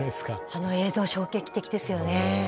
あの映像衝撃的ですよね。